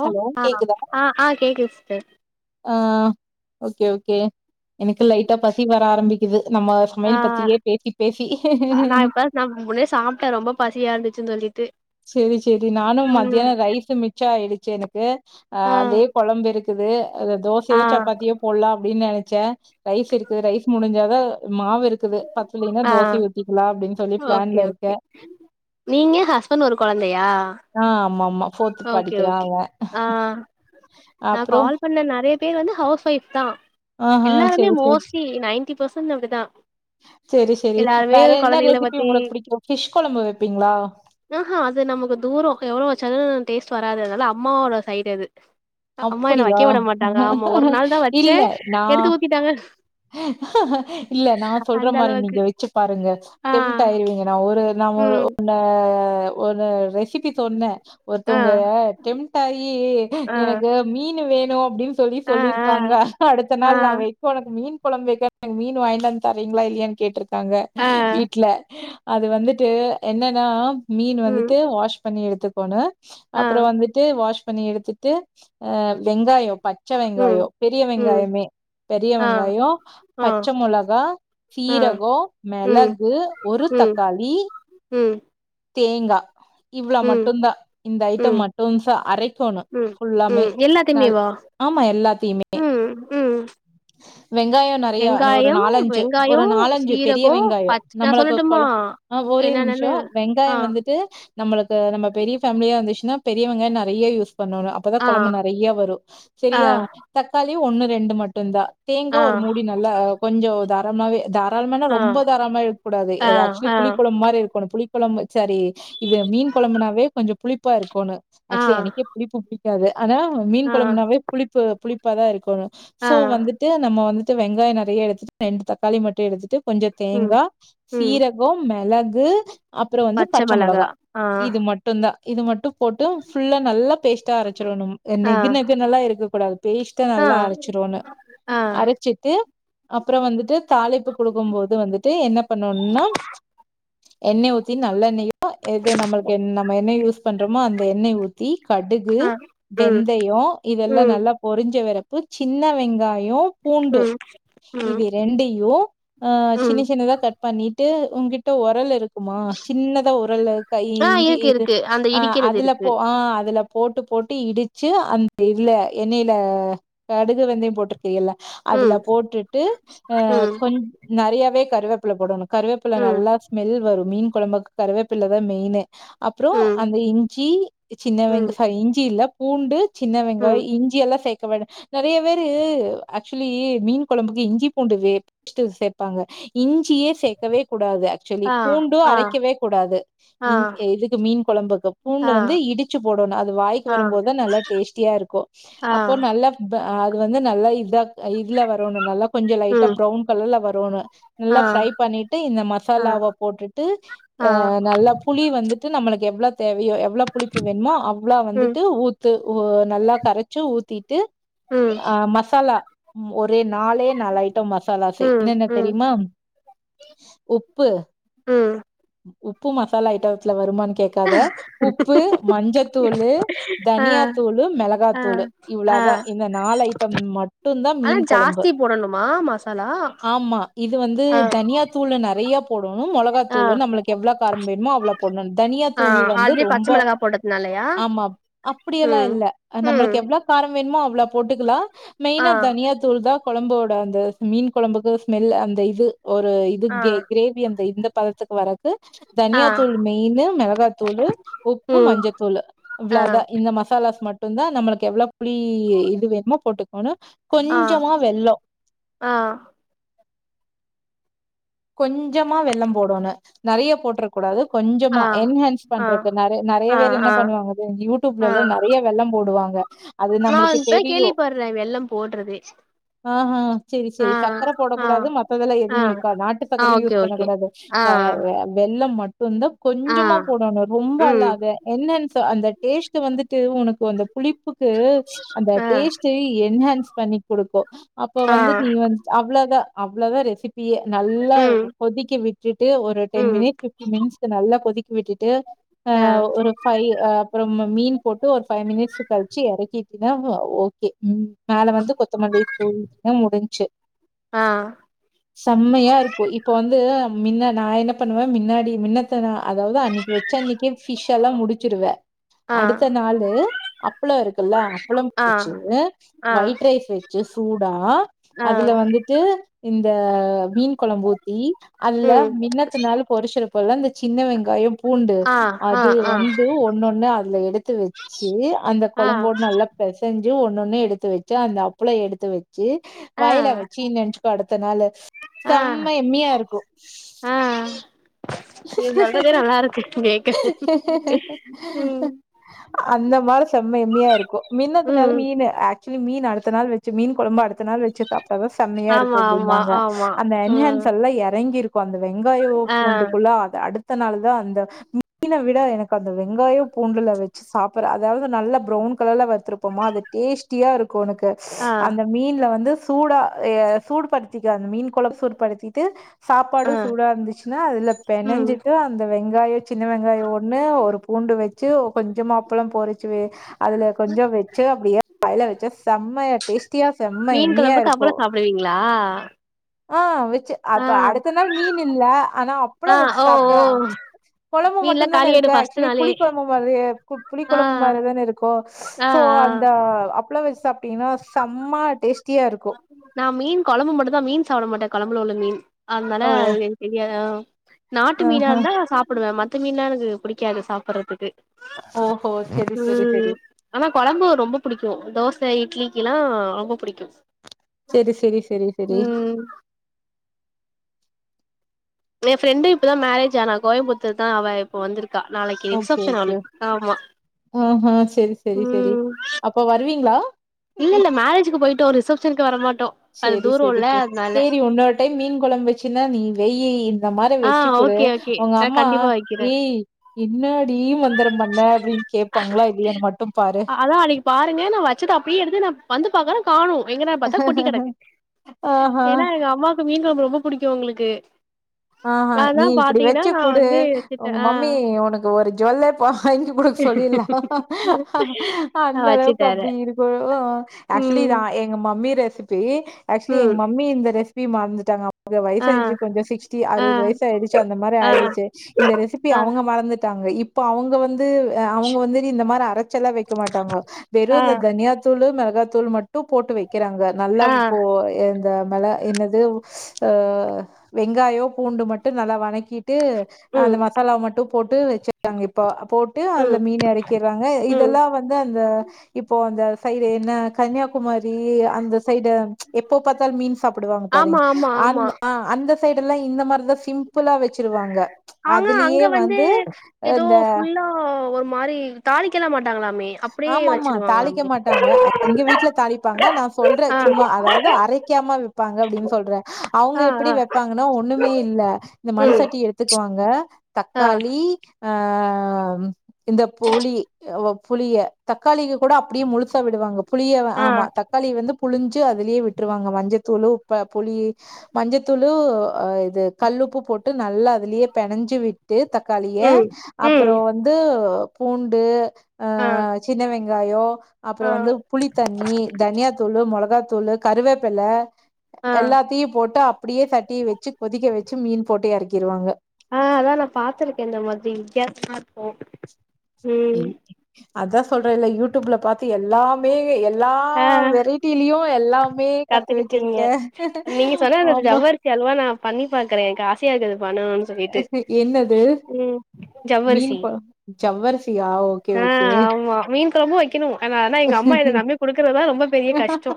ஓ hello ஆஹ் ஆ ஆ கேக்குது சிஸ்டர் ஆஹ் ஓகே ஓகே எனக்கு லைட்டா பசி வர ஆரம்பிக்குது நம்ம சமையல் பத்தியே ஆஹ் பேசி பேசி நா இப்ப நா முனே சமைப்பே ரொம்ப பசியா இருந்துச்சுன் சொல்லிட்டு சேரி சேரி நானு ம் மதியானோ ரைஸ் மி ச்சாயிடுச்சு எனக்கு ஆ ஆஹ் அதே கொழம்பிருக்குது அத ஆ தோசையோ சப்பாத்தி எ போட்லாம் அப்டின்னு நெனச்சே ரைஸ் இருக்கு ரைஸ் முடுஞ்சாத மாவு இரு குது பத்தலைனா ஆ தோசைய ஊத்திக்கலா அப்டின் சொல்லி ஓகே பிளான்ல இருக்க ஓகே நீங்க ஹஸ்பண்ட் ஒரு கொழந்தையா ஆ ஆமாமா ஓகே ஓகே ஆஹ் நா அப்றோ கால் பண்ண நெறைய பேர் வந்து ஹவுஸ் ஒய்ஃப் தா ஆஹா எல்லாருமே சேரி மோஸ்ட்லி நைன்டி பர்சன்ட் அப்டிதா செரி செரி எல்லாருமே வேற என்ன கொழந்தைகள ரெசிபி பத்தி உங்களுக்கு பிடிக்கு ஃபிஷ் கொழம்பு வப்பிங்களா ஊஹூ அது நமக்கு தூரோ எவ்ளோ வச்சாலு டேஸ்ட் வராது அதனால அம்மாவோட சைடது அம்மா என்ன அப்படியா? வைக்க உட மாட்டாங்க ஆமா ஒரு நாள்தா வச்சே இல்ல நான் எடுத்து ஊத்திட்டாங்க இல்ல நா சொல்ற அந்த மாரி அளவுக்கு நீங்க வெச்சுப்பாருங்க டெம்ட் ஆ ஆயிருவீங்க நா ஒரு நா ஒரு ம் நா ஒரு ரெசிபி சொன்னெ ஆ ஒருத்தவங்க டெம்ட்டாயீ ஆ எனக்கு மீனு வேணூ அப்டின் சொல்லி ஆ சொல்லிருக்காங்க அடுத்த ஆ ஆ நாள் நா வைகோணு மீன் கொழம்பு வெக்க மீனு வாய்ன்டு வந்து தரெங்ளா இல்லையான் கேட்ருக்காங்க ஆ வீட்ல அது வந்துட்டு என்னனா மீன் ம் வந்துட்டு வாஷ் பண்ணி எடுத்துக்கோணு ஆ அப்புறோ வந்துட்டு வாஷ் பண்ணி எடுத்துட்டு அ வெங்காயோ பச்ச ம் வெங்காயோ பெரிய ம் வெங்காயமே பெரிய ஆ வெங்காயோ ஆ பச்சை மொளகா ஆ சீரகோ ம் மிளகு ஒரு ம் தக்காளீ ம் தேங்கா இவ்வள ம் மட்டுந்தா இந்த ஐட்டம் ம் மட்டுந்ஸா அரைக்கோணு ம் ஃபுல்லாமே ம் நல் எல்லாத்தையுமேவா ஆமா எல்லாத்தியுமே ம் ம் வெங்காயோ நெறையா ஒரு வெங்காயம் நாலஞ்சு வெங்காயோ ஒரு நாலஞ்சு பெரிய சீரகோ வெங்காயோ பச் நா நம்மளுக்கு சொல்லட்டுமா கொல ஆஹோரே என்னென்னன்னு நிமிஷோ ஆ வெங்காயோ வந்துட்டு நம்மளுக்கு நம்ம பெரிய ஃபேமிலியா இருந்துச்சுன்னா பெரிய வெங்காயோ நெறையா யூஸ் பண்ணோணு அப்பதா ஆ கொழம்பு நெறையா வரு ஆ செரியா தக்காளி ஒண்ணு ரெண்டு மட்டுந்தா தேங்கா ஆ ஒரு மூடி நெ நல்லா கொஞ்சோ தரமாவே தா தாரளம்ன்னா ஆ ரொம்ப தாரளமா இருக்க கூடாது ஆ ஆக்சுவலி ஆ புளி கொழம்பு மாரி இருக்கனு புளி கொழம்பு செரி இது மீன் குழம்புனாவே கொஞ்சோ புளிப்பா இருக்கோனோ ஆ ஆக்சுவலி எனக்கே புளிப்பு புடிக் கக்காது ஆனா மீன் ஆ கொழம்புனாவே புளிப்பு புளிப்பாதா இருக்கோனு ஆ சோ வந்து ட்டு நம்ம வந்துட்டு வெங்காயோ நெறைய எடுத்துட்டு ரெண்டு தக்காளி மட்டு எடுத்துட்டு கொஞ்சோ ம் தேங்கா ம் சீரகோ மெளகு அப்றோ வந்து பச்ச மெளகா மிளகா ஆ இது மட்டு தா இது மட்டு போட்டு ஃபுல்ல நல்லா பேஸ்ட்டா அரைச்சறனும் ஆ நெகு நெகுல்லா இருக்கக்கூடாது பேஸ்டா ஆ நல்லா அரச் ஆ அரச்சிட்டு அப்றோ வந்துட்டு தாளிப்பு கொடுக்கு போது வந்துட்டு என்ன பண்ணணுன்னா எண்ணெய் ஊத்தி நல்லெண்ணெய் எது நம்மளுக்கு நம்ம என்ன யூஸ் பண்றோமோ அந்த எண்ணெய் ஊத்தி ஊத்தி கடுகு ஆ ம் வெந்தயோ இதெல்லா ம் நல்லா பொரிஞ்சி வரப்பு சின்ன வெங்காயோ பூண்டு ம் ம் இத ரெண்டையு ஆ சின்ன ம் சின்னதா கட் பண்ணிட்டு உங்கிட்ட உரல் இரு இருக்குமா சின்னத உரல்ல கை ஆ இஞ்சி இருக்கு இது இருக்கு அந்த ஆ இடிக்கிறது அதுல இருக்கு போ ஆ அதுல போட்டு போட்டு இடிச்சு அந்த இல் எண்ணெயில கடுகு வெந்தயோ போட்டு தெரியல அதுல ம் போட்டுட்டு அ ம் கொஞ் நெறையாவே கருவேப்பில போடனு கருவேப்பிள்ள ம் நல்லா ஸ்மெல் வரும் மீன் கொழம்புக்கு கருவேப்பில தா மெயின்னே அப்றோ ம் அந்த இஞ்சி சின்ன ம் வெங்கா இஞ்சி இல்ல பூண்டு சின்ன ம் வெங்காயம் இஞ்சி எல்லாம் சேக்கவேண்டா நெறைய பேரு ஆக்சுவலி மீன் கொழம்புக்கு இஞ்சி பூண்டு வே சேப்பாங்க இஞ்சியே சேக்கவே கூடாது ஆக்சுவலி ஆ பூண்டு ஆ அரைக்கவே கூடாது ஆ இஞ் இதுக்கு மீன் கொழம்புக்கு பூண்டு ஆ வந்து இடிச்சி போடணு அது வாய்க்கி ஆ வரும்போதுதா நல்லா டேஸ்ட்டியா இருக்கு ஆ அப்போ நல்ல அது வந்து நல்லா இதா இதுல வரோணு நல்லா கொஞ்ச லைட்டா ம் ப்ரவுன் கலர்ல வரோணு நல்லா ஆ ஃப்ரை பண்ணிட்டு இந்த ஆ மசாலாவ போட்டுட்டு அ ஆ நல்லா புளி வந்துட்டு நம்மளுக்கு எவ்ளோ தேவையோ எவ்ளோ புளிப்பு வேணுமோ அவ்ளோ ம் வந்துட்டு ஊத்து நல்லா கரைச்சு ஊத்திட்டு ம் அ மசாலா ஒரே நாலே நாலு ஐட்டம் மசாலா செய் ம் என்னென்ன ம் தெரியுமா உப்பு ம் உப்பு மசாலா ஐட்டத்ல வருமானான்னு கே க்காத உப்பு மஞ்சத்தூளு ஆ தனியா தூளு மெளகா ஆ தூளு இவ்ளோ ஆ தா நாலு ஐட்டம் மட்டு தா ஆனா மீன் கொழம்பு ஜாஸ்தி போடணுமா மசாலா ஆமா இது வந்து ஆ த தனியா தூள்ல நெறையா போடணு மொளக ஆ மிளகாதூள் நம்மளுக்கு எவ்ளோ காரம் வேணுமோ அவ்ளோ போடணு தனியா ஆ தூள் வந்து ஆல்ரெடி பச்ச ரொம்ப மிளகா போட்டதுனாலயா ஆமா அப்டியெல்லா ம் இல்ல ம் நம்மளுக்கு எவ்ளோ காரம் வேணுமோ அவ்ளோ போட்டுக்கலா ஆ மெயினா தனியா தூள்தா கொழம்போட அந்த மீன் கொழம்புக்கு ஸ்மெல் அந்த இது ஒரு இது ஆ க்கே கிரே அந்த இந்த பதத்துக்கு வர ஆ தனியா தூள் மெயின் மிளகாத்தூள் உப்பு ம் மஞ்சத்தூள் ஆ இவ்ளோதா இந்த மசாலாஸ் மட் மட்டும்தா நம்மளுக்கு எவ்ளோ புளி இது வேணுமோ போட்டுக்கண்ணு ஆ கொஞ்சமா வெள்ளோ ஆ கொஞ்சமா வெள்ளோ போடனு நெறைய போட்றக் கூடாது கொஞ்சமா ஆ என்ஹான்ஸ் ஆ பண்றக்கு நெறைய நெறைய ஆ பேர் என்ன ஆ பண்ணுவாங்க ஆ யூடியூப்ல நெறைய வெள்ளோ போடுவாங்க அது நா நம்மளுக்கு இப்போ தா கேள்விப்படுறே வெள்ளோ போட்றதே ஆ ஹ செரி செரி சர்க்கர போடக் ஆ கூடாது மத்ததெல்லா ஆ எதுவுமே இருக்காது நாட்டு ஆ சக்கரையு ஓகே யூஸ் ஓகே பண்ணக்கூடாது ஆ வெள்ளம் மட்டும்தா ஆ கொஞ்சமா போடணு ரொம்ப அல்ல ம் அத என்னன்னு சொ அந்த டேஸ்ட்ட் வந்துட்டு உனக்கு அந்த புளிப்புக்கு அந்த ஆ டேஸ்ட் செரி என்ஹான்ஸ் பண்ணி கொடுக்கோ அப்ப ஆ வந்துட் நீ வந்து அவ்ளதா அவ்வளதா ரெசிபியே நல்லா ம் கொதிக்கி விட்டுட்டு ஒரு டென் ம் மினிட்ஸ் பி த்றீ மின்ச நல்லா கொதிக்க விட்டுட்டு அ ஆ ஒரு ஃபைவ் அ அப்புறம் மீன் போட்டு ஒரு ஃபைவ் மினிட்ஸ் கழிச்சு இறக்கிட்டன்னா ஓகே ம் மேல வந்து கொத்தமல்லி தூவ்சுனா முடிஞ்சு ஆ செம்மையா இருக்கும் இப்ப வந்து மின்ன நா என்ன பண்ணுவே மின்னாடி மின்னத் அத்னா அதாவது அன்னிக்கு வச்ச அன்னிக்கே பிஷ் எல்லா முடிச்சிருவே ஆ அடுத்த நாளு அப்பள இருக்குல்ல அப்பளம் ஆ வச்சு ஆ ஒயிட் ரைஸ் வச்சு சூடா ஆ அதுல வந்துட்டு இந்த மீன் கொழம்பு ஊத்தி அல்ல ம் மின்னத்துனால பொரிச்சிறுபோல்ல அந்த சின்ன வெங்காயோ பூண்டு ஆ ஆ அது ஆ வந்து ஒண்ணுொண்ணு அதுல எடுத்து வச்சி அந்த ஆ குழம்போட் நல்லா பெசைஞ்சு ஒண்ணுண்ணு எடுத்து வச்சு அந்த அப்புளோ எடுத்து வச்சு ஆ வாயல வச்சு நோன்ச்சுக்கோ அடுத்த நாளு ஆ செம்ம எம்மியா இருக்கோ ஆ நீங்க சொல்றதே நல்லா இருக்கு கேக்க ம் அந்த மாதிரி செம்ம எம்மியா இருக்கோ மின்னதுனால ம் மீனு மீன் அடுத்த நாள் வச்ச மீன் ககொழம்பு அடுத்த நாள் வச்சி அப்பதா செம்மையா ஆமா இருக்கோ ஆமா அப்பிடின்பாங்க ஆமா அந்த ம் என்ஹன்ஸ்ல்லா எறங்கி இருக் அந்த வெங்காய ஆ பூண்டுக்குள்ள அது அடுத்த நாள் தா அந்த மீனை விட எனக்கு அந்த வெங்காயம் பூண்டுல வச்சு சாப்பற் அதாவது நல்ல ப்றவுன் கலர்ல வச் இருப்போமா அது டேஸ்டியா இருக்கு ஒனக்கு ஆ அந்த மீன்ல வந்து சூடா ஏ சூடு படுத்திக்க அந்த மீன் ககொழம்ப சூடு படுத்திட்டு சாப்பாடூ ஆ சூடா இருந்துச்சுன்னா அதுலப் ம் பெனஞ்சிட்டு அந்த வெங்கயோ சின்ன வெங்காயோ ஒன்னு ஒரு பூண்டு வச்சி கொஞ்சமா அப்பளோ பொரிச்சு வே அதுல கொஞ்சொ வச்சு அப்படியே வாயல வச்சா செம்மயா டேஸ்ட்டியா செம்ம மீன் எம்மியா கொழம்புக்கு இருக்கொ அப்பளோ சாப்டுவீங்களா ஆ வெச்சு ஆ அப்ப அடுத்த நாள் மீன் இல்ல ஆனா அப் அப்ளோ ஆ வெச்சி ஓ ஓ சாப்ட்டா கொழம்பு மட்டு மீன்லா தானே காலியாயிடு இருக்கு ஃபஸ்ட் ஆக்சுலி நாளே புளிக் கொலம்பு இப்ப அதயா பு புளிக் ஆ கொழம்பு மாதிரிதானே இருக்கோ ஆ சோ ஆ அந்த அ அப்பளோ வச்சு சாப்பிட்டீங்ன்னா செம்மா டேஸ்ட்டியா இருக் நா மீன் குழம்பு மட்டு தா மீன் சாப்பிட மாட்டே குழம்புல உள்ள மீன் அவ்தானா ஓ எனக் தெரியாதா நாட்டு மீனா ஆஹா இருந்தா சாப் சாப்பிடுவேன் மத்த மீன்லாம் எனக்கு பிடிக்காது சாப்பிடறதுக்கு ஓஹோ செரி செரி உம் செரி ஆனா கொழம்பு ரொம்ப புடிக்கும் தோச இட்லிக்கில்லா ரொம்ப புடிக்கும் செரி செரி செரி செரி ம் ஏ ஃப்ரெண்டு இப்பதா மேரேஜ் ஆனா கோயம்புத்தர் தா அவ இப்ப வந்திருக் கா நாளைக்கி ஓகே ரிசப்ஷன் ஓகே நாளிக் ஆமா இப்ப வருவீங்களா இல்ல இல்ல மேரேஜ்கக்குயிட்டோ ரிசப்ஷ்ன்க்கு வர மாட்டொ செரி செரி தெ செரி இன்னொரு டைம் மீன் குழம்பு வச்சுன்னா நீ வெயீ இந்த மாரி ஆ வச்சு குடு ஓகே ஓகே அவங்க ஆ அம்மா கண்டிப்பா வைக்கிறே என்னாடி மாந்திர பண்ண அப்டின்னு கேட்பாங்களா இல்லையன்னு மட்டும் பாரு அதா அன்னைக்கு பாருங்க நா வச்சது அப்டியே எடுத்து ந வந்து பாக்குறோ காணோ எங்கடான் பார்த்தா பூட்டி கெடக்கு ஆஹா ஏன்னா எங்க அம்மா அப்ப மீன் கொழம்பு ரொம்ப புடிக்கும் உங்களுக்கு ஆஹா நீ அதா இப்புடி பாத்தீங்கன்னா வெச்சு நா குடு வந்து வச்சுட்டே உங்க ஆ மம்மி உனக்கு ஒரு ஜுவல்லே போ வாங்கி குடுக்க சொல்லீலா நா அந்த அளவுக்கு வச்சுட்டாரு அப்டி இருக்கோ ஆக்சுலி இது ம் ஆ எ எங்க மம்மி ரெசிபி ஆக்சுலி எங்க ம் மம்மி இந்த ரெசிபிய மறந்துட்டாங்க அவங்க ஆ வயசாயுடுச்சு கொஞ்சோ சிக்ஸ் ஆ அறுவது வயசு ஆயிடுச்சு அந்த மாரி ஆ ஆயிடுச்சு இந்த ரெசிபி ஆ அவுங்க மறந்துட்டாங்க இப்ப அவுங்க வந்து அ அவுங்க வந்துரி இந்த மார் அரச்செல்லா வெ வெக்க மாட்டாங்கோ வெறு ஆ இந்த தனியா தூளு மெளகாத்தூளு மட்டு போட்டு வெய் க்கிறாங்க நல்லா ஆ இப்போ எந்த மெள என்னது ஆ வெங்காயோ பூண்டு மட்டு நல்லா வனக்கீட்டு அந்த ம் மசாலாவ் மட்டு போட்டு வெச்சுராங்க இப்ப போட்டு அந்த ம் மீன் எறக்கிற்றாங்க ம் இதெல்லா வந் ந்து அந்த இப்போ அந்த சைடு என்ன கன்னியாகுமாரி அப்டீ அந்த சைடு எப்ப பாத்தாலு மீன் சாப்புடுவாங்க ஆமா பாருங்க ஆமா ஆமா அந்த ஆ அந்த சைடுலா இந்த மாரிதா சிம்பிளா வெச்சுருவாங்க ஆனா அதுலயே வந்து அந்த ஓ ஒரு மாரி தாளிக்கிலா மாட்டாங்ளாமே ஆமாம்மா தாளிக்க மாட்டாங்க எங்க வீட்ல தாளிப்பாங்க நா சொல்றே ஆ சும்மா அதாவது அரைக் க்காம வெப்பாங்க அப்டீன்னு சொல்றே அவுங்க ஆ எப்டி ஆ வெப்பாங்கன்னா ஒண்ணுமே இல்ல இந்த மண் ம் சட்டி எடுத் த்துக்வாங்க ஆ தக்காளி ஆ ம் இந்த புளி அ வ புழிய தக்காளிக்கு கூட அப்படியே முழுசா விடுவாங்க புழிய ஆ ஆமா க்காளி வந்து புழிஞ்சு அதுலியே விட்ருவாங்க மஞ்சத்தூளு உப்ப புளி மஞ்சத்தூளு அ இது கல்லுப்பு போட்டு நல்லா அதுலயே பெனஞ்சு விட்டு ட்டு தக்காளிய ம் ம் அப்புறோ வந்து பூண்டு ஆ சின்ன வெங்காயோ அப்புறோ ஆ வந்து புளித்தண்ணி தனியாத்தூளு மொளகாத்தூளு கருவேப்பெல்ல ஆ எல்லாத்தியு போட்டு அப்டியே சட்டிய வெச்சு கொதிக்க வெச்சு மீன் போட்டு எறக்கீருவாங்க ஆ அதா நா பாத்துருக்கே இந்த மாத்ரி வித்யாசமா இருக்கு ம் அதா சொல்றேல யூ ட்யூப்ல பாத்து எல்லாம் மே எல்லா ஆ வெரைட்டீலயு எல்லாமே கத்து கத்துக்கிட்டீங்க வெச்சுருக்கே ஆமா செரி அல்வா நா பண்ணி பாக்குறே எனக்கு ஆசயா இருக்கு அது பண்ணனோனு சொல்லீட்டு என்னது ம் ஜவ்வரிசி ஜவ்வர்சியா ஓகே ஆ ஓகே ஆமா மீன் கொழம்பு வெக்கிணு ஆனா ஆனா எங்க அம்மா என்ன நம்மி குடுக்குறதா ரொம்ப பெரிய கஷ்டோ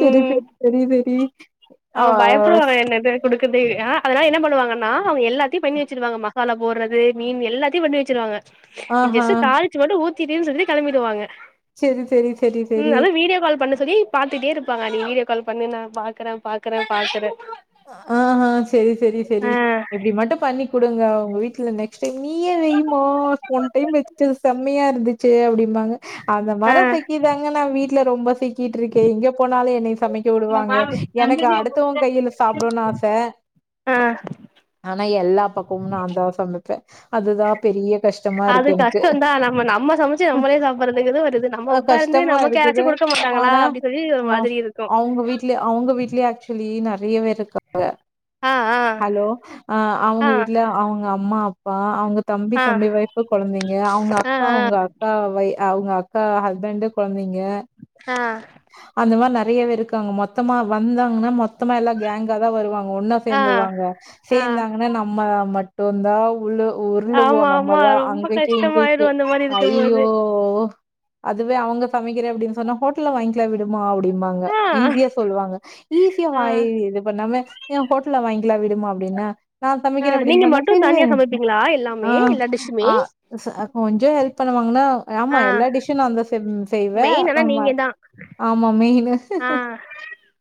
செரி செரி செரி செரி ஆ அவுங்க பயப்படுவாங்க என்னது குடுக்குது ஆ அதனால என்ன பண்ணுவாங்கன்னா அவுங்க எல்லாத்தியு பண்ணி வெச்சடுவாங்கம்மா வல போடுறது மீன் எல்லாத்தயு பண்ணி வெச்சிருவாங்க நீ ஆஹா ஜெஸ்ட்டு தாள் ச்சு மட்டு ஊத்தீடுனு சொல்லி கெளம்பிடுவாங்க செரி செரி செரி ம் செரி அது வீடியோ கால் பண்ண சொல்லி பாத்துட்டே இருப்பாங்க நீ வீடியோ கால் பண்ணு நா பாக்குறே பாக்குறே பாக்குறே ஆஹா சேரி சேரி சேரி ஆ இப்டி மட்டு பண்ணி குடுங்க உங்க வீட்ல நெக்ஸ்ட் டைம் நீயே வெயுமா போன டைம் வெச்சது செம்மையா இருந்துச் ச்சு அப்டீம்பாங்க அந்த ஆ மார்தா சிக்கிற்றாங்க நா வீட் ட்ல ரொம்ப சிக்கீட்ருக்கே இங்க போனாலு என்னய சமைக்க வுடுவாங்க எனக்கு அடுத்தவ கையில சாப்டோன் ஆச ஆ ஆனா எல்லா பக்கமு நாந்தா சமைப்பே அதுதா பெரிய கஷ்டமா அது இருக்கு எனக்கு கஷ்டந்தா நம்ம நம்ம சமைச்சு நம்மளே சாப்புறதுங்கிறது ஒரு இது நம்ம உக்காந்து கஷ்டமா நமக்கு யாராச்சு இருக்குது குடுக்க மாட்டாங்களா ஆனா அப்டி சொல்லி ஒரு ஆ மாதிரி இருக்கு அவுங்க வீட் ட்ல அவுங்க வீட்லே ஆக்சுவலி நெறைய பேருக்கா அவுங்க ஆ ஆ ஹலோ ஆ ஆ அவுங்க வீட்ல அவுங்க அம்மா அப்பா அவுங் தம்பி ஆ தம்பி ஒய்ஃப் ப்ப கொழந்தைங்க அவுங்க ஆ அக்கா அவுங்க அக்கா வை அவுங்க அக்கா ஹஸ்பண்டு கொழந்தைங்க ஆ அந்த மாரி நறய பேர் இருக்காங்க மொத்தமா வந்தாங்கன்னா மொத்தமா எல்லா கேங்காதா வருவாங்க ஒன்னா ஆ ஆ சேர்ந்துருவாங்க ஆ சேர்ந்தாங்கன்னா நம்ம மட்டும்தா உளூ உருளுவோ ஆமா ஆமா நம்மதா ரொம்ப அங்கிக்கு கஷ்டமாயிரு இங்கிக்கி அந்த மாரி ஐயய்யோ இருக்கும்போது ஓ அதுவே அவங்க சமைக்கிறே அப்டின்னு சொன்னா ஹோட்டல்ல வாங்கி இல்ல விடுமா அப்படிம்பாங்க ஆ ஈஸியா சொல்லுவாங்க [unintelligible] ஆ வாய் இது பண்ணாம ஏ ஹோட்டல்ல வாங்லா விடுமா அப்டின்னா நா ஆ சமைக்கிறே அப்படின்னு நீங்க சொன்னா மட்டு சரி தனியா சரி சமைப்பீங்களா ஆ எல்லாமே எல்லா டிஷ்ஷுமே அ ச அ கொஞ்சோ ஹெல்ப் பண்ணுவாங்கன்னா ஆமா ஆ எல்லா டிஸ்ஹூ நா தா செய்வே மெயின் ஆனா ரேம்ப நீங்க தா ஆமா மெயினு ஆ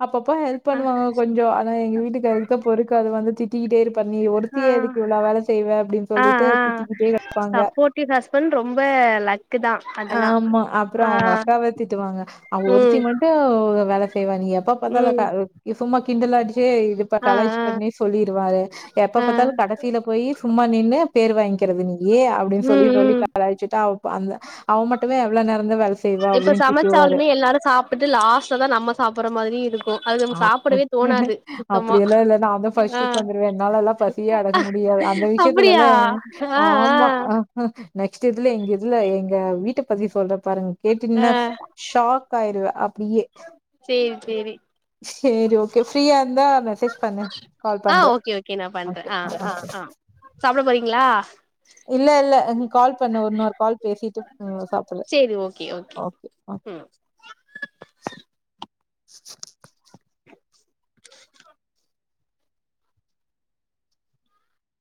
அப்பப்ப ஹெல்த் ஆ பண்ணுவாங்க கொஞ்சோ ஆனா எங்க வீட்டுக்காருக்குதா பொறுக்காது வந்து திட் திட்டிக்கிட்டே இருப்பாரு நீ ஆ ஒருத்தியே எதுக்கு இவ்ளே வேல செய்வேன்னு அப்படின் ஆ சொல்லிட்டு ஆ திட்டிக்கிட்டே கெடப்பாங்க சப்போர்ட்டிவ் ஹஸ்பண்ட் ரொம்ப லக்கு தா அதெல்லா ஆமா அப்புறோ ஆ அவங்க அக்காவ திட்டுவாங்க அவ ஒருத்தி ம் மட் து வேல செய்வாங் நீ எப்ப ம் பாத்தாலூ சும்மா கிண்டல அடிச்சுட்டு டியே இப்ப ஆ கலாஜ் ஆ பண்ணி சொல்லிருவாரு எப்ப ஆ பாத்தாலு கடைசியில போயி சும்மா நின்னு பேர் வாங்கிக்கிறத் இங்கி அப்டின்னு சொல்லி ம் சொல்லி ம் கலாய்ச்சுட்டு அவ் அந்த அவ மட்டுமே எவ்ளோ நேரந்தா வேல செய்வா இப்ப அப்படின்னு திட்டுவாரு. சமச்சாலுமே எல்லாரு சாப்ட்டு லாஸ்ட்லதா நம்ம சாப்ற மாரி இருக் அப்பட் அப்படியெல்லா இல்ல நா தா ஆ ஃபர்ஸ்ட் உக்காந்துருவே என்னாலல்லா த்யே அடக்க முடியாது அந்த அப்டியா விஷயத்துலா ஆ ஆ ஆமா ஹ நெக்ஸ்ட் இதுல எங்க இதுல எங்க வீட்ட பத்தி சொல்ற பாருங்க ஆ கேட்டிங்னா ஷாக் ஆயிருவே அப்டியே சேர் சேரி சேரி ஓகே ஃப்ரீயா இருந்தா மெசேஜ் பண்ணு கால் ஆ பண்றோ ஓகே ஓகே நா பண்றே ஆ ஆ சாப்ட போறீங்ளா இல்ல இல்ல கால் பண்ணு இன்னொரு கால் பேசிட்டு சாப்ட் சொல்லு கி ஓகே ம் [inaudible]